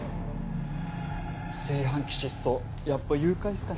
炊飯器失踪やっぱ誘拐っすかね？